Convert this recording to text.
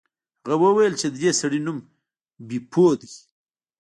هغه وویل چې د دې سړي نوم بیپو دی.